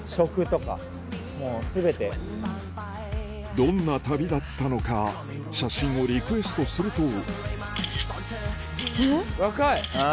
どんな旅だったのか写真をリクエストすると若い！